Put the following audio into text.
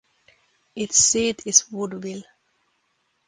Its seat is Woodville.